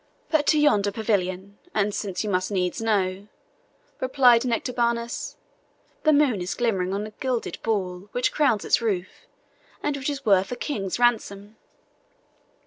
"But to yonder pavilion; and, since you must needs know," replied Nectabanus, "the moon is glimmering on the gilded ball which crowns its roof, and which is worth a king's ransom."